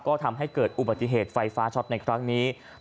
ก็ทำให้เกิดอุบัติเหตุไฟฟ้าช็อตในครั้งนี้